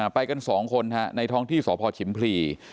ไปกัน๒คนในท้องที่สพชิมพลี